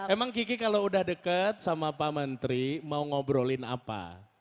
emang kiki kalau udah deket sama pak menteri mau ngobrolin apa